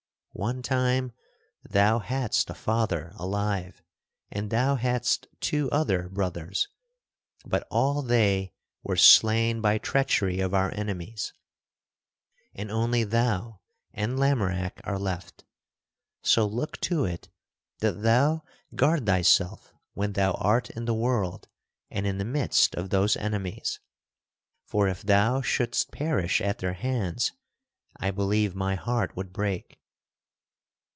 One time thou hadst a father alive, and thou hadst two other brothers. But all they were slain by treachery of our enemies, and only thou and Lamorack are left; so look to it that thou guard thyself when thou art in the world and in the midst of those enemies; for if thou shouldst perish at their hands, I believe my heart would break."